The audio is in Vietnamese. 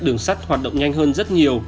đường sắt hoạt động nhanh hơn rất nhiều